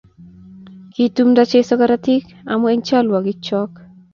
Kitumda Jesu korotik amu eng chalwogik chok